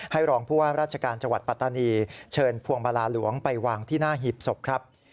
รองผู้ว่าราชการจังหวัดปัตตานีเชิญพวงมาลาหลวงไปวางที่หน้าหีบศพครับ